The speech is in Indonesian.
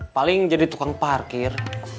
paling jadi tukang parkir